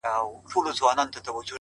ماته د مار خبري ډيري ښې دي ـ